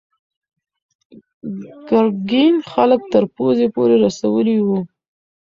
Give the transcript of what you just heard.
ګرګین خلک تر پوزې پورې رسولي وو.